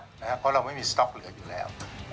เพราะเราไม่มีสต๊อกเหลืออยู่แล้ว